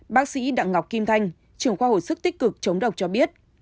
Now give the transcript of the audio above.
bác sĩ đặng ngọc kim thanh trường khoa hồi sức tích cực chống độc cho biết